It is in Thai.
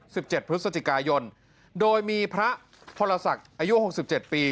สิบเจ็ดพฤศจิกายนโดยมีพระพรศักดิ์อายุหกสิบเจ็ดปี